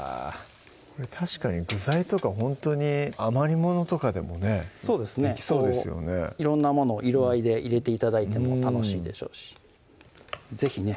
これ確かに具材とかほんとに余り物とかでもねできそうですよね色んなものを色合いで入れて頂いても楽しいでしょうし是非ね